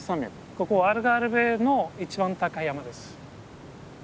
ここアルガルヴェの一番高い山です。